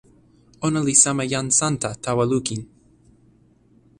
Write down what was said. ona li sama jan Santa tawa lukin.